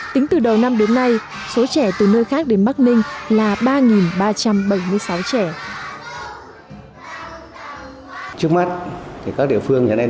tính từ đầu năm đến nay số trẻ từ nơi khác đến bắc ninh là ba ba trăm bảy mươi sáu trẻ